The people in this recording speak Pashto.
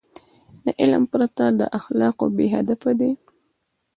علم پرته له اخلاقو بېهدفه دی.